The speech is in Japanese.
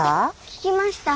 聞きました。